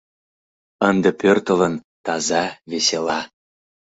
Ынде пӧртылын, таза, весела.